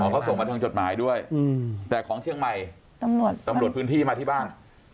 เขาส่งมาทางจดหมายด้วยแต่ของเชียงใหม่ตำรวจพื้นที่มาที่บ้าน